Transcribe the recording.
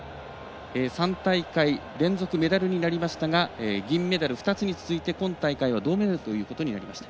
３大会連続メダルになりましたが銀メダル２つに続いて今大会は銅メダルということになりました。